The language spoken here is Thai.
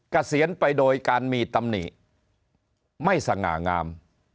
เกษียณไปโดยการมีตำหนิไม่สง่างาม